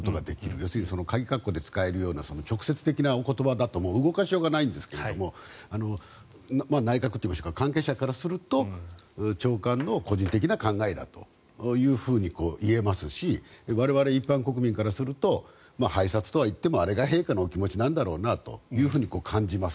要するにかぎ括弧で使えるような直接的なお言葉だと動かしようがないんですが内閣というか関係者からすると長官の個人的な考えだと言えますし我々一般国民からすると拝察とはいってもあれが陛下のお気持ちなんだろうと感じます。